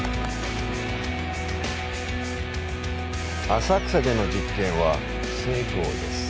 浅草での実験は成功です。